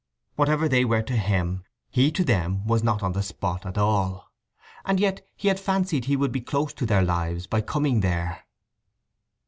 Whatever they were to him, he to them was not on the spot at all; and yet he had fancied he would be close to their lives by coming there.